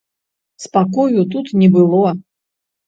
Спакою тут не было.